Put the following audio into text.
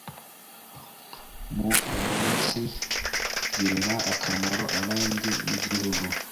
mu umunsigirira akamaro abandi n’Igihugu